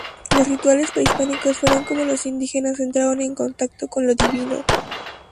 Los rituales prehispánicos fueron como los indígenas entraron en contacto con lo divino.